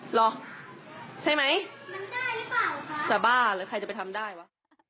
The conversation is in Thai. เหรอใช่ไหมจะบ้าหรือใครจะไปทำได้วะ